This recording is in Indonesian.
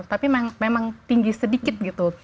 tapi memang tinggi sedikit gitu